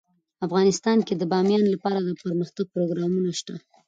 افغانستان کې د بامیان لپاره دپرمختیا پروګرامونه شته.